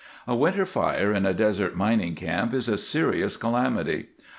A winter fire in a desert mining camp is a serious calamity.